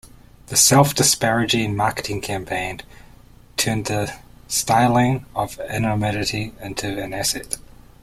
This self-disparaging marketing campaign turned the styling of anonymity into an asset.